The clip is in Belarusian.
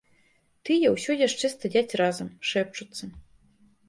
Тыя ўсё яшчэ стаяць разам, шэпчуцца.